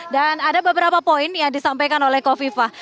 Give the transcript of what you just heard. dan ada beberapa poin yang disampaikan oleh kofifah